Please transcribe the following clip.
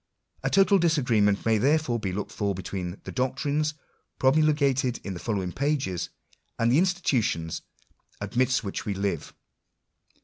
A total disagreement may therefore be looked for between the doctrines promulgated in the following pages, and the institutions amidst whioh we live.